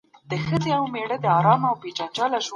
د اثر هره برخه باید واضح او تشریح شوې وي.